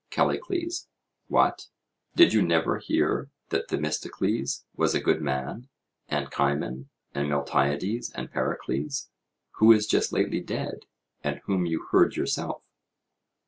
CALLICLES: What! did you never hear that Themistocles was a good man, and Cimon and Miltiades and Pericles, who is just lately dead, and whom you heard yourself?